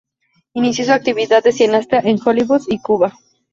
Inició su actividad de cineasta en Hollywood y Cuba.